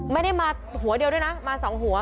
ไม่ได้มาหัวเดียวด้วยนะมาสองหัว